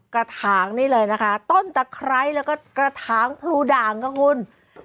กระถางนี่เลยนะคะต้นตะไคร้แล้วก็กระถางพลูด่างค่ะคุณ